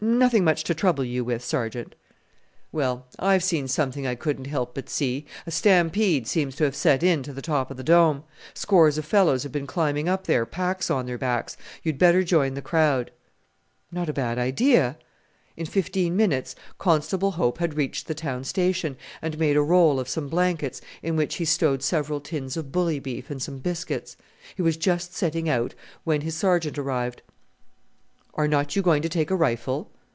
"Nothing much to trouble you with, Sergeant." "Well, I've seen something I couldn't help but see. A stampede seems to have set in to the top of the Dome. Scores of fellows have been climbing up there, packs on their backs. You had better join the crowd." "Not a bad idea." In fifteen minutes Constable Hope had reached the Town Station, and made a roll of some blankets, in which he stowed several tins of bully beef and some biscuits. He was just setting out when his Sergeant arrived. "Are not you going to take a rifle?"